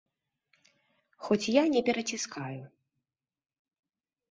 Хоць я не пераціскаю.